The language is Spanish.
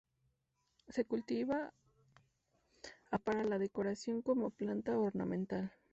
Se cultiva a para la decoración como planta ornamental.